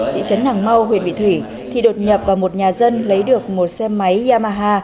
thị trấn nàng mau huyện vị thủy thì đột nhập vào một nhà dân lấy được một xe máy yamaha